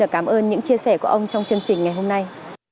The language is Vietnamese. và cảm ơn những chia sẻ của ông trong chương trình ngày hôm nay